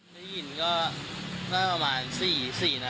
ได้ยินก็น่าจะประมาณ๔นัดครับพี่๔นัด